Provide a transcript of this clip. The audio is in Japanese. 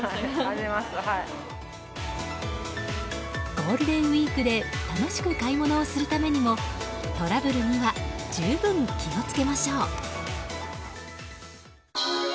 ゴールデンウィークで楽しく買い物をするためにもトラブルには十分、気を付けましょう。